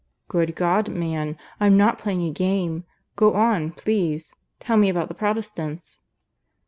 "Good God, man! I'm not playing a game. ... Go on, please. Tell me about the Protestants."